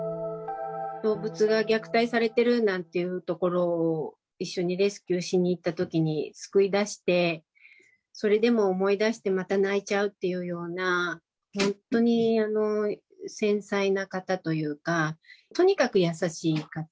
動物が虐待されているなんていうところを、一緒にレスキューしに行ったときに救い出して、それでも思い出して、また泣いちゃうっていうような、本当に繊細な方というか、とにかく優しい方。